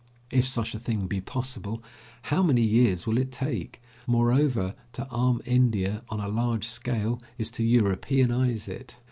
If such a thing be possible, how many years will it take. Moreover, to arm India on a large scale is to Europeanise it.